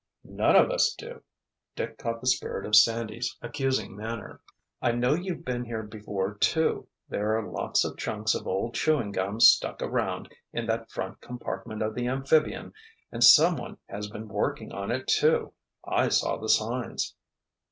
"None of us do!" Dick caught the spirit of Sandy's accusing manner. "I know you've been here before, too. There are lots of chunks of old chewing gum stuck around in that front compartment of the amphibian—and someone has been working on it, too. I saw the signs."